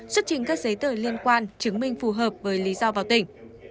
xuất trình các giấy tờ liên quan chứng minh phù hợp với lý do vào tỉnh